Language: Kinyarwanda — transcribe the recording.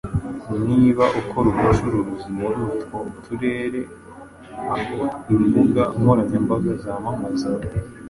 Niba ukora ubucuruzi muri utwo turere aho imbuga nkoranyambaga zamamaza